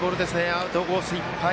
アウトコースいっぱい。